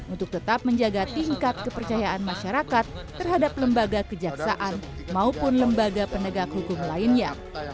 untuk tetap menjaga tingkat kepercayaan masyarakat terhadap lembaga kejaksaan maupun lembaga penegak hukum lainnya